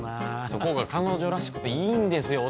そこが彼女らしくていいんですよ